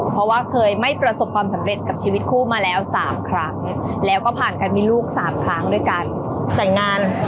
เพราะว่าเคยไม่ประสบความสำเร็จกับชีวิตคู่มาแล้ว๓ครั้ง